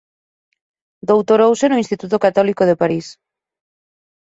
Doutorouse no Instituto Católico de París.